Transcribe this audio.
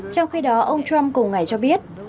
trong khi đó ông trump cùng ngài cho biết